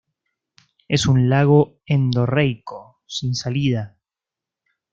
Es un lago endorreico, sin salida.